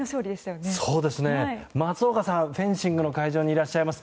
松岡さん、フェンシングの会場にいらっしゃいます。